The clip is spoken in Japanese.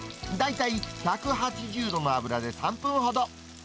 大体１８０度の油で３分ほど。